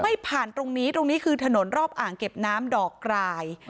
ไม่ผ่านตรงนี้ตรงนี้คือถนนรอบอ่างเก็บน้ำดอกกราย